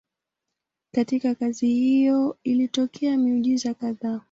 Katika kazi hiyo ilitokea miujiza kadhaa.